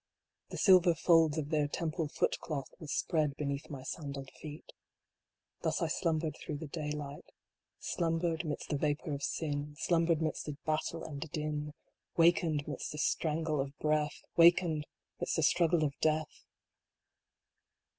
The silver folds of their temple foot cloth was spread beneath my sandaled feet. Thus I slumbered through the daylight. Slumbered midst the vapor of sin, Slumbered midst the battle and din, Wakened midst the strangle of breath, Wakened midst the struggle of death